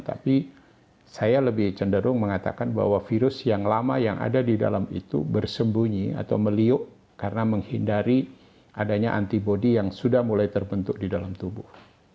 tapi saya lebih cenderung mengatakan bahwa virus yang lama yang ada di dalam itu bersembunyi atau meliuk karena menghindari adanya antibody yang sudah mulai terbentuk di dalam tubuh